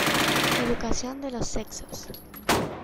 Educación de los sexos.